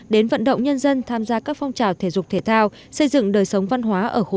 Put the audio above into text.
đến vận động nhân dân tham gia các phong trào thể dục thể thao xây dựng đời sống văn hóa ở khu